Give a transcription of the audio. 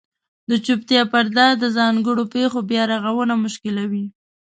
د چوپتیا پرده د ځانګړو پېښو بیارغونه مشکلوي.